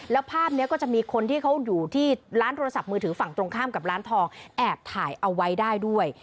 แล้วภาพนี้ก็จะมีคนที่เขาอยู่ที่ร้านโทรศัพท์มือถือฝั่งตรงข้ามกับร้านทองแอบถ่ายเอาไว้ได้ด้วย